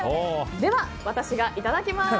では、私がいただきます。